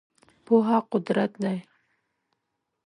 پوهه قدرت دی .